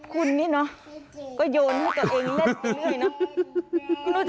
คุณนี่เนอะก็โยนให้ตัวเองเล่นไปเรื่อยเนอะ